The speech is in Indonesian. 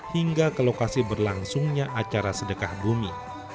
dan ke lokasi berlangsungnya acara sedekah bumi